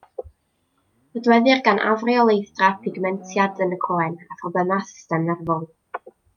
Nodweddir gan afreoleidd-dra pigmentiad yn y croen a phroblemau'r system nerfol.